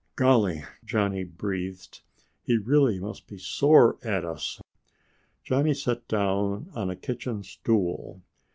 "Golly!" Johnny breathed. "He really must be sore at us." Johnny sat down on a kitchen stool.